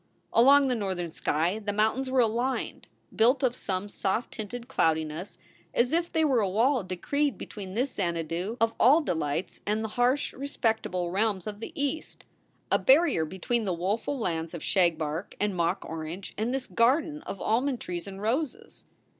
Along the northern sky the mountains were aligned, built of some soft tinted cloudiness as if they were a wall decreed between this Xanadu of all delights and the harsh, respectable realms of the East, a barrier between the woeful lands of shagbark and mock orange and this garden of almond trees and roses.